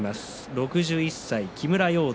６１歳木村容堂